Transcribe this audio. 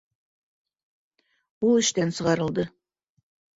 Ул эштән сығарылды